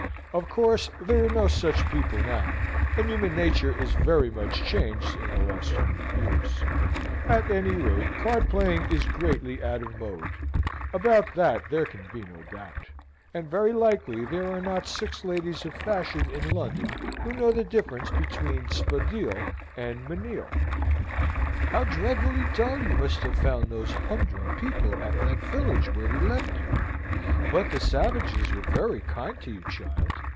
Of course there are no such people now; and human nature is very much changed in the last hundred years. At any rate, card playing is greatly out of mode: about that there can be no doubt: and very likely there are not six ladies of fashion in London who know the difference between Spadille and Manille. "How dreadfully dull you must have found those humdrum people at that village where we left you but the savages were very kind to you, child!"